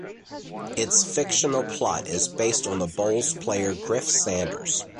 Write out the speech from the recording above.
Its fictional plot is based on the bowls player Griff Sanders.